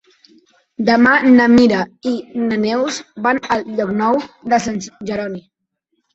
Demà na Mira i na Neus van a Llocnou de Sant Jeroni.